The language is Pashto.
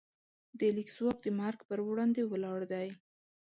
د لیک ځواک د مرګ پر وړاندې ولاړ دی.